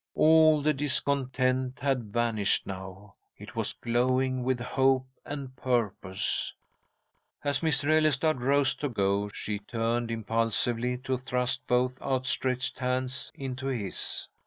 All the discontent had vanished now. It was glowing with hope and purpose. As Mr. Ellestad rose to go, she turned impulsively to thrust both outstretched hands into his.